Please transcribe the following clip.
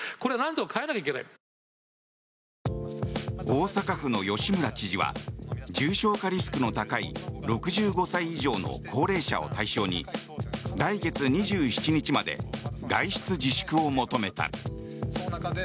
大阪府の吉村知事は重症化リスクの高い６５歳以上の高齢者を対象に来月２７日まで外出自粛を求めた。